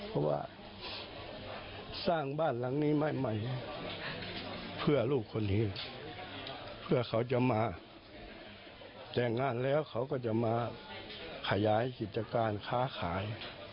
เพราะว่าสร้างบ้านหลังนี้ใหม่เพื่อลูกคนนี้เพื่อเขาจะมาแต่งงานแล้วเขาก็จะมาขยายกิจการค้าขาย